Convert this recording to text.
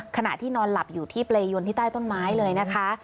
ขณะที่นอนหลับอยู่ที่เปรยนที่ใต้ต้นไม้เลยนะคะ